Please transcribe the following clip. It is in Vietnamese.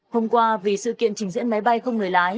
hôm qua vì sự kiện trình diễn máy bay không nổi lên